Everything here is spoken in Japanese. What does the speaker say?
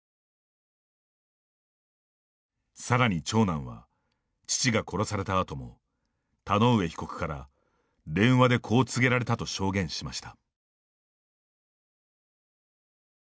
さらに、長男は父が殺されたあとも田上被告から電話でこう告げられたと証言しました。